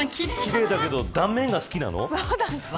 奇麗だけど断面が好きなの。